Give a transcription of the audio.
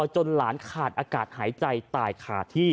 จนหลานขาดอากาศหายใจตายขาดที่